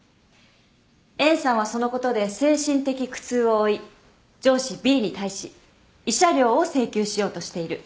Ａさんはそのことで精神的苦痛を負い上司Ｂに対し慰謝料を請求しようとしている。